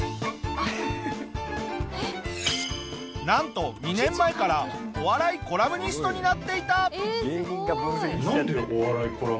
なんと２年前からお笑いコラムニストになっていた。